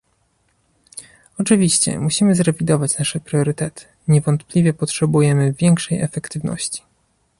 Oczywiście musimy zrewidować nasze priorytety - niewątpliwie potrzebujemy większej efektywności